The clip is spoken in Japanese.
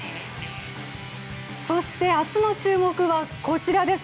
そして、明日の注目はこちらです。